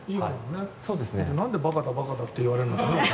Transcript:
なんで馬鹿だ、馬鹿だって言われるのかな。